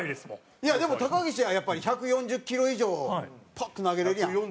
いやでも高岸はやっぱり１４０キロ以上パッて投げれるやん。